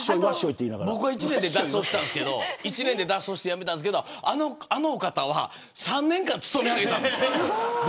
僕は１年で脱走して辞めたんですけどあのお方は３年間勤め上げたんです。